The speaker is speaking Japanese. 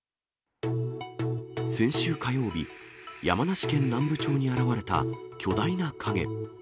先週火曜日、山梨県南部町に現れた巨大な影。